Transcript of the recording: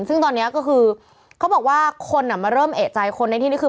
ซึ่งตอนนี้ก็คือเขาบอกว่าคนอ่ะมาเริ่มเอกใจคนในที่นี่คือ